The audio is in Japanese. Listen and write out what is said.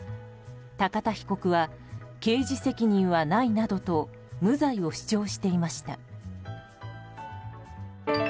高田被告は刑事責任はないなどと無罪を主張していました。